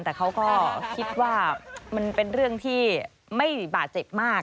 แต่เขาก็คิดว่ามันเป็นเรื่องที่ไม่บาดเจ็บมาก